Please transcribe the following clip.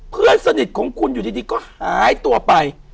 เพื่อนสนิทของคุณอยู่ดีก็หายตัวไป